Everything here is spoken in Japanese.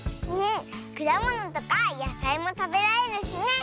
くだものとかやさいもたべられるしね！